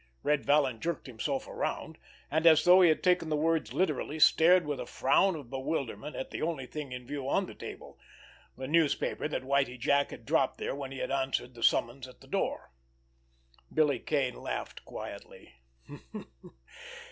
Red Vallon jerked himself around; and, as though he had taken the words literally, stared with a frown of bewilderment at the only thing in view upon the table—the newspaper that Whitie Jack had dropped there when he had answered the summons at the door. Billy Kane laughed quietly.